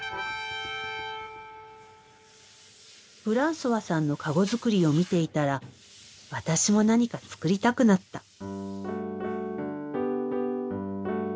フランソワさんのかご作りを見ていたら私も何か作りたくなった。